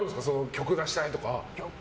曲出したいとか。